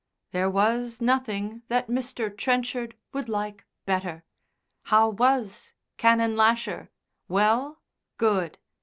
There was nothing that Mr. Trenchard would like better. How was Canon Lasher? Well? Good.